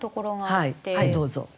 はいどうぞ。